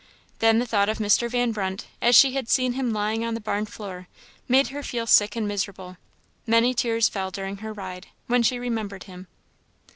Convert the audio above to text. Then the thought of Mr. Van Brunt, as she had seen him lying on the barn floor, made her feel sick and miserable; many tears fell during her ride, when she remembered him.